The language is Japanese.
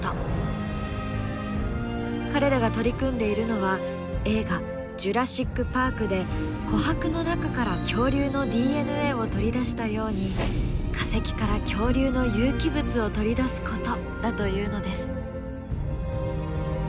彼らが取り組んでいるのは映画「ジュラシック・パーク」で琥珀の中から恐竜のＤＮＡを取り出したように化石から恐竜の有機物を取り出すことだというのです。